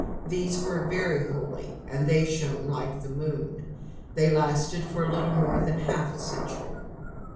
These were VERY HOLY, and they shone like the moon." They lasted for a little more than half a century.